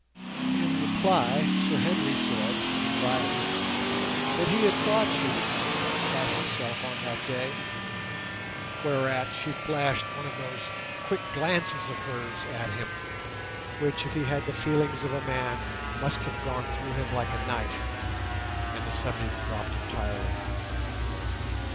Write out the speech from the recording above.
In reply Sir Henry said, dryly, that he had thought she did not look quite herself on that day, whereat she flashed one of those quick glances of hers at him, which if he had the feelings of a man must have gone through him like a knife, and the subject dropped entirely.